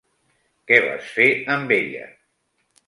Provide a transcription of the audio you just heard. Què vas fer amb ella?